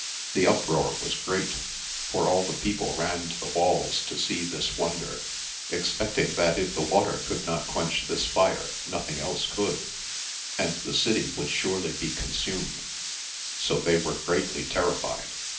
The uproar was great, for all the people ran to the walls to see this wonder, expecting that if the water could not quench this fire nothing else could, and the city would surely be consumed ; so they were greatly terrified.